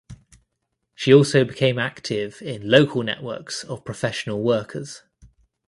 She also became active in local networks of professional workers.